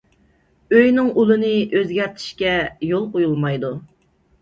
ئۆينىڭ ئۇلىنى ئۆزگەرتىشكە يول قويۇلمايدۇ.